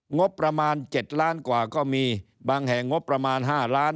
งบประมาณ๗ล้านกว่าก็มีบางแห่งงบประมาณ๕ล้าน